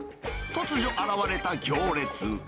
突如、現れた行列。